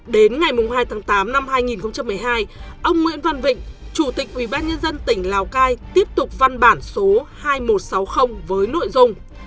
đến ngày hai tháng tám năm hai nghìn một mươi hai ông nguyễn văn vịnh chủ tịch ubnd tỉnh lào cai tiếp tục văn bản số hai nghìn một trăm sáu mươi với nội dung